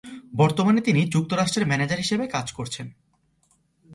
বর্তমানে তিনি যুক্তরাষ্ট্রের ম্যানেজার হিসেবে কাজ করছেন।